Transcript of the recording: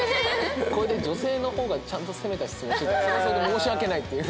これで女性の方がちゃんと攻めた質問してるとそれはそれで申し訳ないっていう。